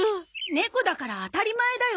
猫だから当たり前だよ。